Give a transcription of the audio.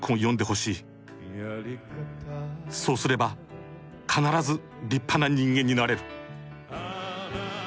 「そうすれば必ず立派な人間になれる」。